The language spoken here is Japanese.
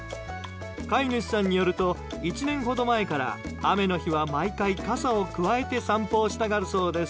飼い主さんによると１年ほど前から、雨の日は毎回傘をくわえて散歩をしたがるそうです。